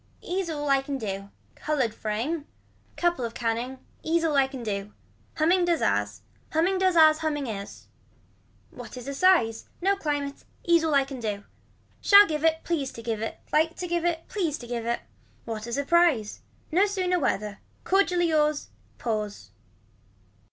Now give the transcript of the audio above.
Ease all I can do. Colored frame. Couple of canning. Ease all I can do. Humming does as Humming does as humming is. What is a size. No climate. Ease all I can do. Shall give it, please to give it. Like to give it, please to give it. What a surprise. Not sooner whether. Cordially yours. Pause.